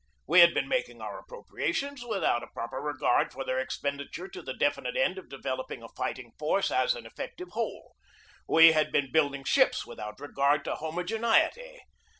We had been mak ing our appropriations without a proper regard for their expenditure to the definite end of developing a fighting force as an efficient whole; we had been building ships without regard to homogeneity.